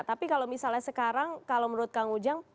tapi kalau misalnya sekarang kalau menurut kang ujang